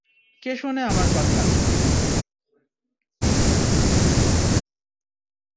কে শোনে আমার কথা?